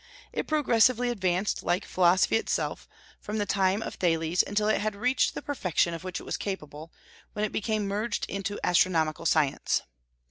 It progressively advanced, like philosophy itself, from the time of Thales until it had reached the perfection of which it was capable, when it became merged into astronomical science.